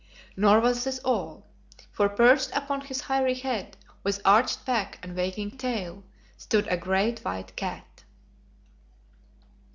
Nor was this all, for perched upon his hairy head, with arched back and waving tail, stood a great white cat.